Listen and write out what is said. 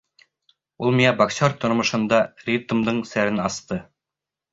Ул миңә боксер тормошонда ритмдың серен асты.